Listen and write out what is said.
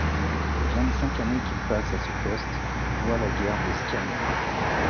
Les vingt-cinq années qu’il passe à ce poste voient la guerre de Scanie.